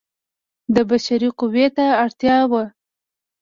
بشري قوې ته اړتیا وه.